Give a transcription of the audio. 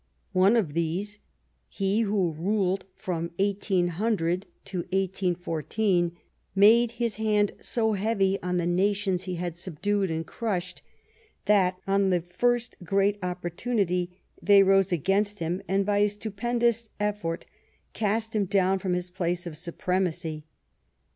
One of these, he who ruled from 1800 to 1814, made his hand so heavy on the nations he had subdued and crushed, that, on the first great opportunity, they rose against him, and, by a stupendous effort, cast him down from his place of supremacy.